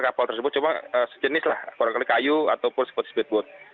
kapal tersebut cuma sejenis lah kurang kali kayu ataupun seperti speedboat